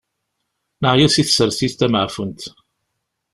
Neɛya si tsertit tameɛfunt.